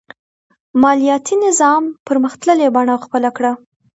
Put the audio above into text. مالیاتي نظام پرمختللې بڼه خپله کړه.